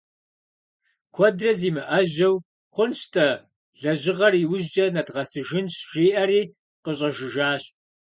Куэдрэ зимыӏэжьэу «хъунщ-тӏэ, лэжьыгъэр иужькӏэ нэдгъэсыжынщ»,— жиӏэри къыщӏэжыжащ.